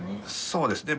そうですね。